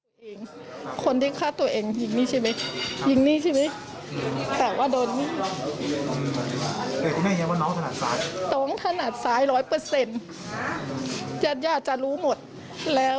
ใช่แต่เราไม่รู้ว่าทางโน้นจะจมไหมแต่ทางเราคือจมแล้ว